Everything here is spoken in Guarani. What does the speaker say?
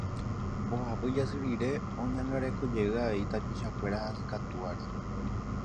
Mbohapy jasy rire oñangarekojey avei tapichakuéra hasykatúvare.